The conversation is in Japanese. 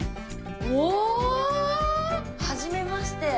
おお！はじめまして。